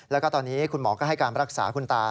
แล้วก็ตอนนี้คุณหมอก็ให้การรักษาคุณตา